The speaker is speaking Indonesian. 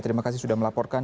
terima kasih sudah melaporkan